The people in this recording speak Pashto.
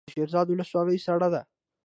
د شیرزاد ولسوالۍ سړه ده